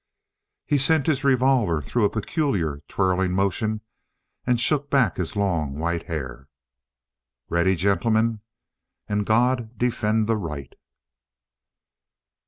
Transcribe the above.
He sent his revolver through a peculiar, twirling motion and shook back his long white hair. "Ready, gentlemen, and God defend the right!"